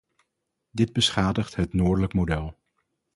Dit beschadigt het noordelijke model.